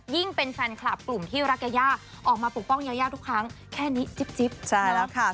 เป็นแฟนคลับกลุ่มที่รักยายาออกมาปกป้องยายาทุกครั้งแค่นี้จิ๊บใช่แล้วค่ะ